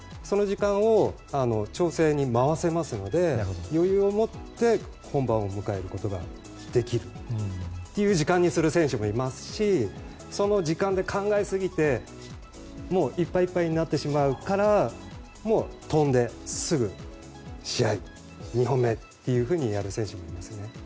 その時間を調整に回せますので余裕を持って本番を迎えることができるという時間にする選手もいますしその時間で考えすぎていっぱいいっぱいになってしまうから跳んですぐ試合２本目というふうにやる選手もいますね。